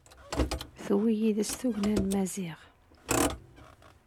Tewwi yid-s tugna n Maziɣ.